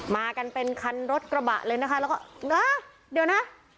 มากันเป็นคันรถกระบะเลยนะคะแล้วก็นะเดี๋ยวนะ